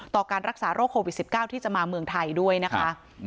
การรักษาโรคโควิด๑๙ที่จะมาเมืองไทยด้วยนะคะ